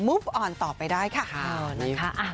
มูฟออนต่อไปได้ค่ะ